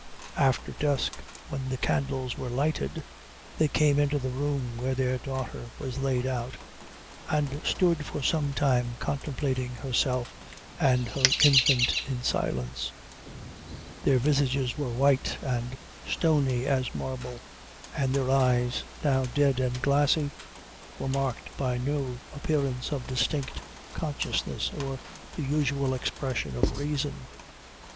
After dusk, when the candles were lighted, they came into the room where their daughter was laid out, and stood for some time contemplating herself and her infant in silence. Their visages were white and stony as marble, and their eyes, now dead and glassy, were marked by no appearance of distinct consciousness, or the usual expression of reason.